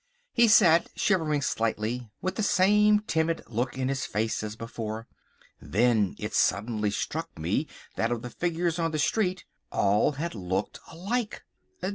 He sat shivering slightly, with the same timid look in his face as before. Then it suddenly struck me that of the figures on the street, all had looked alike.